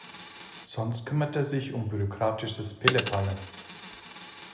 Sonst kümmert er sich um bürokratisches Pillepalle.